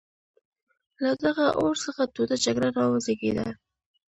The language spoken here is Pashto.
له دغه اور څخه توده جګړه را وزېږېده.